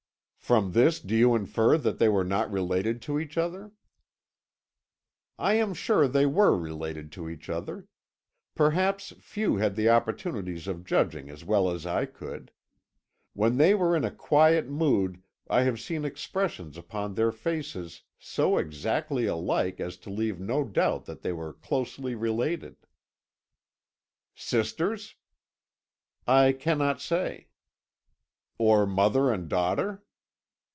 "From this do you infer that they were not related to each other?" "I am sure they were related to each other. Perhaps few had the opportunities of judging as well as I could. When they were in a quiet mood I have seen expressions upon their faces so exactly alike as to leave no doubt that they were closely related." "Sisters?" "I cannot say." "Or mother and daughter?"